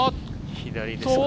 左ですか？